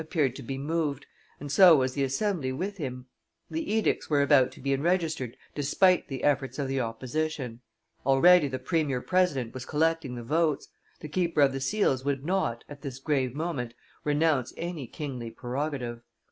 appeared to be moved, and so was the assembly with him; the edicts were about to be enregistered despite the efforts of the opposition; already the premier president was collecting the votes; the keeper of the seals would not, at this grave moment, renounce any kingly prerogative.